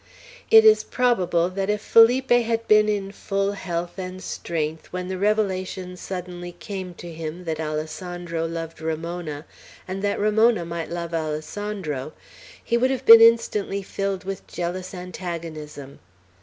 It is probable that if Felipe had been in full health and strength when the revelation suddenly came to him that Alessandro loved Ramona, and that Ramona might love Alessandro, he would have been instantly filled with jealous antagonism.